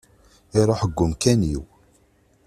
Iruḥ deg umkan-iw.